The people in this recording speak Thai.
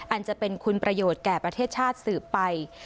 อันจะเป็นคุณประโยชน์แก่ประเทศชาติสืบไป